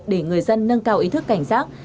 để người dân nâng cao ý thức cảnh giác